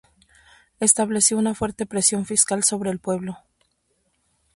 Estableció una fuerte presión fiscal sobre el pueblo.